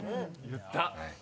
言った。